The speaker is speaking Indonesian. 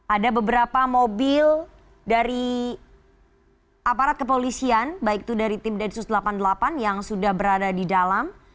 ada beberapa mobil dari aparat kepolisian baik itu dari tim densus delapan puluh delapan yang sudah berada di dalam